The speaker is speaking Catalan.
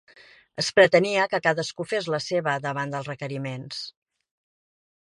Es pretenia que cadascú fes la seva davant dels requeriments.